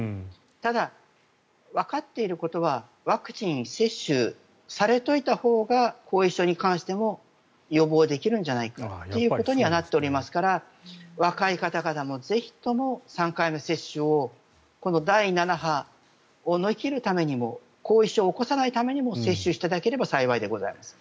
ただ、わかっていることはワクチン接種されておいたほうが後遺症に関しても予防できるんじゃないかということになっておりますから若い方々もぜひとも３回目接種をこの第７波を乗り切るためにも後遺症を起こさないためにも接種していただければ幸いでございます。